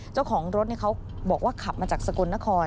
เจ้าของรถเขาบอกว่าขับมาจากสกลนคร